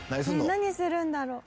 「何するんだろう？」